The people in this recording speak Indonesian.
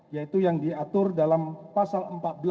yaitu yang diatur dalam pasal empat belas